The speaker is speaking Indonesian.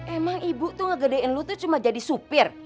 emang ibu tuh ngegedein lu tuh cuma jadi supir